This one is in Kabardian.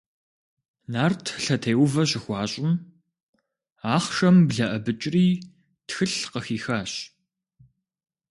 Нарт лъэтеувэ щыхуащӏым, ахъшэм блэӏэбыкӏри тхылъ къыхихащ.